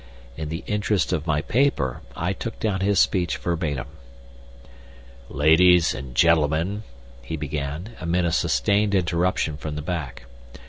In the interests of my paper I took down his speech verbatim. "Ladies and Gentlemen," he began, amid a sustained interruption from the back.